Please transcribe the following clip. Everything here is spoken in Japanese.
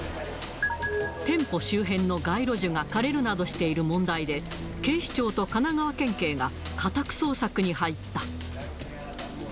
店舗周辺の街路樹が枯れるなどしている問題で、警視庁と神奈川県警が家宅捜索に入った。